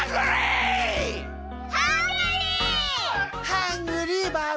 ハングリーバブ。